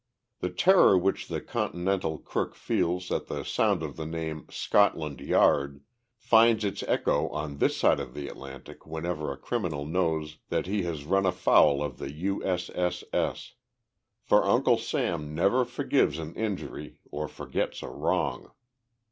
The terror which the continental crook feels at the sound of the name 'Scotland Yard' finds its echo on this side of the Atlantic whenever a criminal knows that he has run afoul of the U. S. S. S. For Uncle Sam never forgives an injury or forgets a wrong.